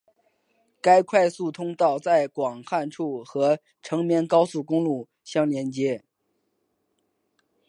该快速通道在广汉处和成绵高速公路相连接。